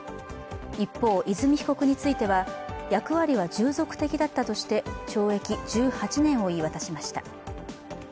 一方、和美被告については役割は従属的だったとして懲役１８年を言い渡しました。